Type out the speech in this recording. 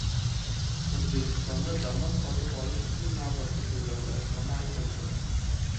O‘zbekistonda Damas sotib olish uchun navbatda turganlar soni aytildi